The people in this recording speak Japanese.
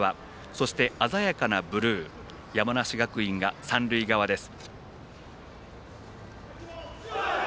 そして鮮やかなブルー山梨学院が三塁側です。